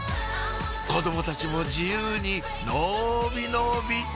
子供たちも自由に伸び伸び！